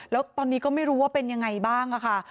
แล้วตอนนี้ก็ไม่รู้ว่าเป็นยังไงบ้างค่ะ